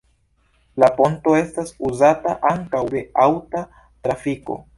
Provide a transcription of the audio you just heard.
La ponto estas uzata ankaŭ de aŭta trafiko.